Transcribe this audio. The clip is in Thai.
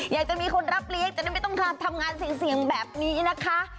อยากจะมีคนรับเลี้ยงจะได้ไม่ต้องทำงานเสี่ยงแบบนี้นะคะ